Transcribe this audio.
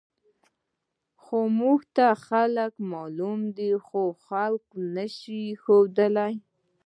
خو موږ ته خلک معلوم دي، خو خلک نه شو ښودلی.